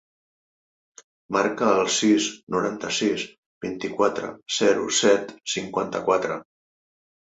Marca el sis, noranta-sis, vint-i-quatre, zero, set, cinquanta-quatre.